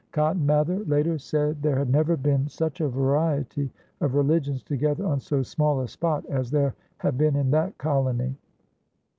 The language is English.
Cotton Mather later said there had never been "such a variety of religions together on so small a spot as there have been in that colony."